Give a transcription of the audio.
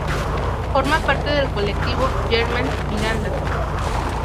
Forma parte del colectivo Germans Miranda.